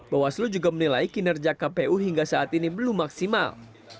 bawaslu juga menilai kinerja kpu hingga saat ini belum maksimal